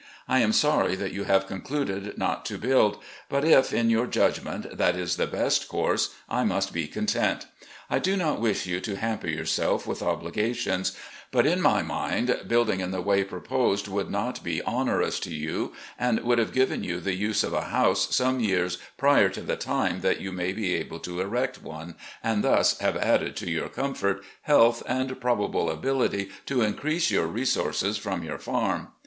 I am sorry that you have concluded not to build, but if, in your judgment, that is the best course, I must be content. I do not wish you to hamper yourself with obligations, but to my mind building in the way proposed would not be onerous to you and would have given you the use of a house some years prior to the time that you may be able to erect one, and thus have added to your comfort, health, and probable ability to increase your resources from your farm.